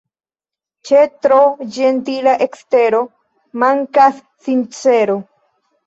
Ĉe tro ĝentila ekstero mankas sincero.